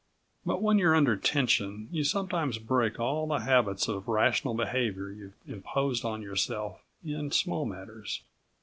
But when you're under tension you sometimes break all the habits of rational behavior you've imposed on yourself in small matters.